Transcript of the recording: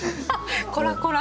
こらこら。